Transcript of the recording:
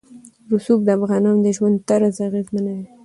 رسوب د افغانانو د ژوند طرز اغېزمنوي.